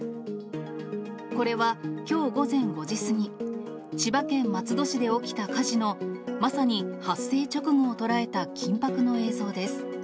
これはきょう午前５時過ぎ、千葉県松戸市で起きた火事のまさに発生直後を捉えた緊迫の映像です。